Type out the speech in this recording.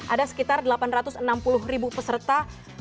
ada sekitar delapan ratus enam puluh ribu peserta